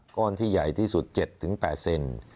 ก้อนที่ใหญ่ที่สุด๗๘เซน